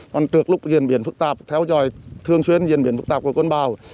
còn trước lúc diễn biến phức tạp theo dõi thường xuyên diễn biến phức tạp của con bào